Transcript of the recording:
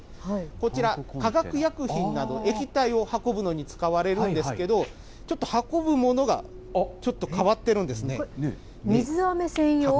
こちら、化学薬品など、液体を運ぶのに使われるんですけど、ちょっと運ぶものが、ちょっ水飴専用？